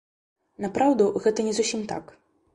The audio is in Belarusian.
Напраўду гэта не зусім так.